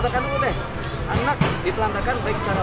hai terlihat nah ditelankan baik secara